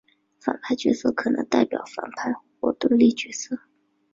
反派角色可能代表反派或对立角色。